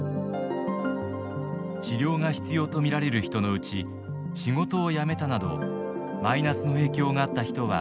治療が必要と見られる人のうち仕事を辞めたなどマイナスの影響があった人は１５．３％。